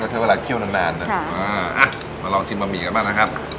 ก็ใช้เวลาเคี่ยวนานนานค่ะอ่ามาลองชิมบะหมี่กันบ้างนะครับ